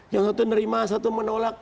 yang satu nerima satu menolak